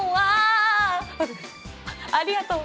ありがとう。わ！